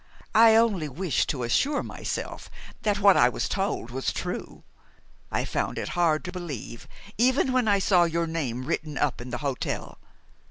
"I only wished to assure myself that what I was told was true. I found it hard to believe, even when I saw your name written up in the hotel.